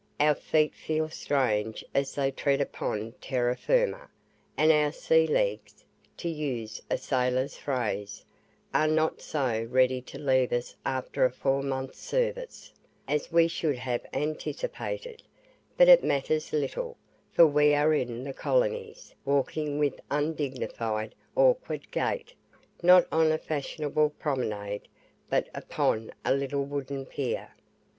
Our feet feel strange as they tread upon TERRA FIRMA, and our SEA LEGS (to use a sailor's phrase) are not so ready to leave us after a four months' service, as we should have anticipated; but it matters little, for we are in the colonies, walking with undignified, awkward gait, not on a fashionable promenade, but upon a little wooden pier.